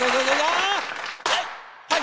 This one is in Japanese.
はい！